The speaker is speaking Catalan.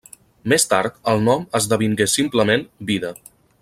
Més tard el nom esdevingué simplement Vida.